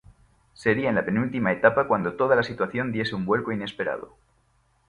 Sería en la penúltima etapa cuando toda la situación diese un vuelco inesperado.